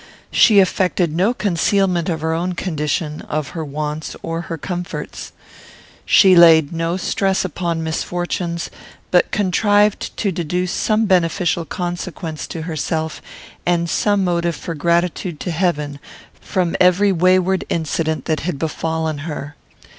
She affected no concealment of her own condition, of her wants, or her comforts. She laid no stress upon misfortunes, but contrived to deduce some beneficial consequence to herself, and some motive for gratitude to Heaven, from every wayward incident that had befallen her.